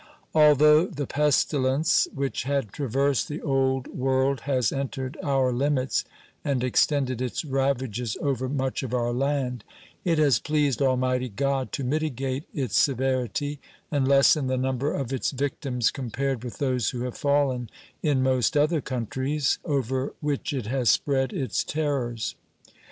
Although the pestilence which had traversed the Old World has entered our limits and extended its ravages over much of our land, it has pleased Almighty God to mitigate its severity and lessen the number of its victims compared with those who have fallen in most other countries over which it has spread its terrors.